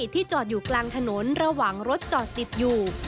ที่จอดอยู่กลางถนนระหว่างรถจอดติดอยู่